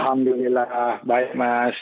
alhamdulillah baik mas